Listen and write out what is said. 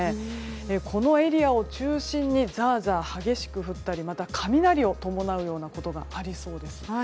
このエリアを中心にザーザー激しく降ったりまた雷を伴うようなこともありそうです。